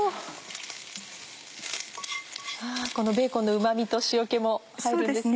このベーコンのうま味と塩気も入るんですね。